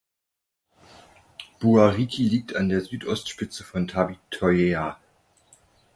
Buariki liegt an der Südostspitze von Tabiteuea.